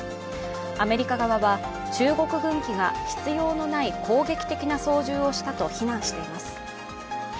アメリカ側は、中国軍機が必要のない攻撃的な操縦をしたと非難しています。